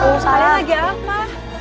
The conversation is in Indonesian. pada lagi apa